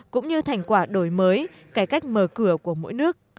cũng như thành quả đổi mới cải cách mở cửa của mỗi nước